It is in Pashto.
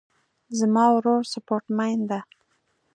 زما ورور سپورټ مین ده